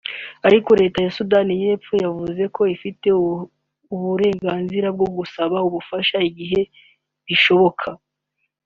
Ariko leta ya Sudan y’epfo yavuze ko ifite uburenganzira bwo gusaba ubufasha igihe bishoboka